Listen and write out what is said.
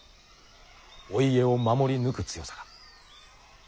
お家を守り抜く強さが。